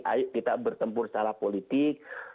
ayo kita bertempur secara politik